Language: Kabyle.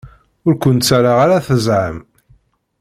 Ur ken-ttaraɣ ara tezham.